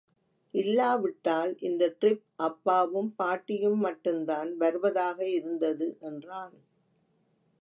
இல்லாவிட்டால், இந்த டிரிப் அப்பாவும், பாட்டியும் மட்டும்தான் வருவதாக இருந்தது, என்றான்.